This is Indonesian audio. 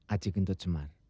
aji kentut semar